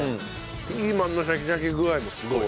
ピーマンのシャキシャキ具合もすごい。